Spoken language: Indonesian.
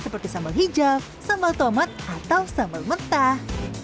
seperti sambal hijau sambal tomat atau sambal mentah